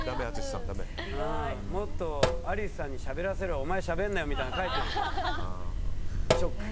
もっとアリスさんにしゃべらせろお前しゃべるなよみたいな書いてあるとショック。